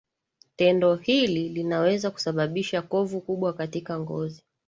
Tendo hili linaweza kusababisha kovu kubwa katika ngozi